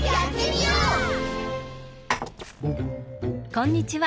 こんにちは。